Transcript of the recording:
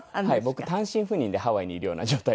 僕単身赴任でハワイにいるような状態です。